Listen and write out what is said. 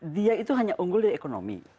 dia itu hanya unggul dari ekonomi